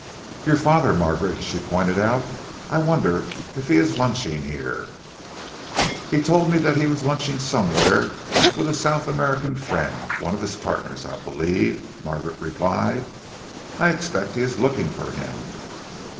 "Your father, Margaret!" she pointed out. "I wonder if he is lunching here." "He told me that he was lunching somewhere with a South American friend one of his partners, I believe," Margaret replied. "I expect he is looking for him."